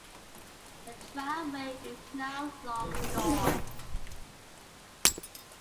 The tramway is now long gone.